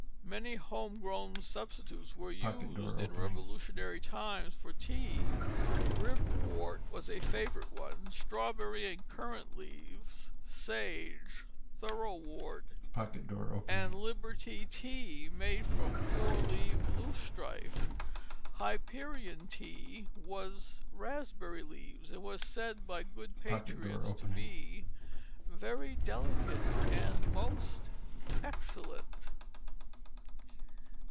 Many home grown substitutes were used in Revolutionary times for tea: ribwort was a favorite one; strawberry and currant leaves, sage, thorough wort, and "Liberty Tea," made from the four leaved loosestrife. "Hyperion tea" was raspberry leaves, and was said by good patriots to be "very delicate and most excellent."